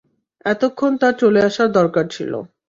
এতক্ষণ তার চলে আসার দরকার ছিল।